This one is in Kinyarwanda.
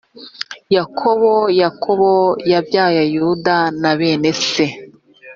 yakobo yakobo yabyaye yuda na bene se